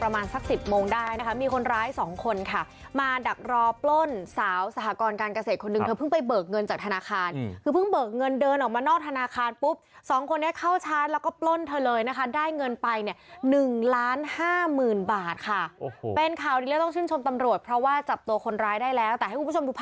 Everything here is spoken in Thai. สักสิบโมงได้นะคะมีคนร้ายสองคนค่ะมาดักรอปล้นสาวสหกรการเกษตรคนหนึ่งเธอเพิ่งไปเบิกเงินจากธนาคารคือเพิ่งเบิกเงินเดินออกมานอกธนาคารปุ๊บสองคนนี้เข้าชาร์จแล้วก็ปล้นเธอเลยนะคะได้เงินไปเนี่ยหนึ่งล้านห้าหมื่นบาทค่ะโอ้โหเป็นข่าวดีแล้วต้องชื่นชมตำรวจเพราะว่าจับตัวคนร้ายได้แล้วแต่ให้คุณผู้ชมดูพ